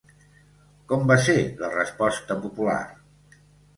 Com va ser la resposta popular?